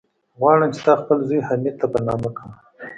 غواړم چې تا خپل زوی، حميد ته په نامه کم.